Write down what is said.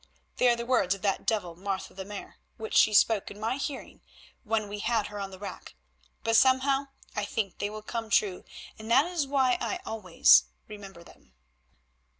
"They are the words of that devil, Martha the Mare, which she spoke in my hearing when we had her on the rack, but somehow I think that they will come true, and that is why I always remember them."